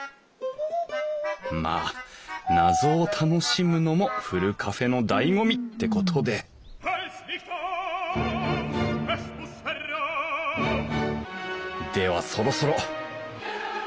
まあ謎を楽しむのもふるカフェのだいご味ってことでではそろそろ。